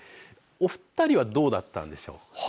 お２人はどうだったんでしょう。